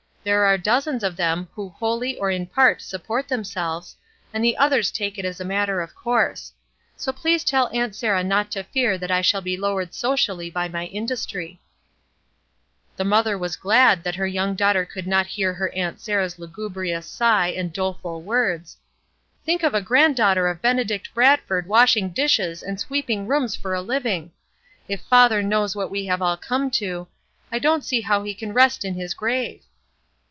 There are dozens of them who wholly or in part support themselves, and the others take it as a matter of course. So please tell Aunt Sarah not to fear that I shall be lowered socially by my industry." 62 ESTER RIED'S NAMESAKE The mother was glad that her young daughter could not hear her Aunt Sarah's lugubrious sigh and doleful words: — ''Think of a granddaughter of Benedict Bradford washing dishes and sweeping rooms for a hving! If father knows what we have all come to, I don't see how he can rest in his grave.''